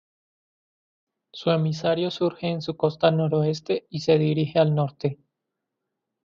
Su emisario surge en su costa noroeste y se dirige al norte.